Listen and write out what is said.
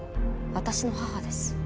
私の母です。